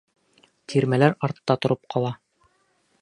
Тирмәләр артта тороп ҡала.